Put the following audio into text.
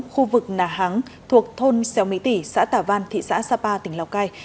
khu vực nà hắng thuộc thôn xeo mỹ tỉ xã tà văn thị xã sapa tỉnh lào cai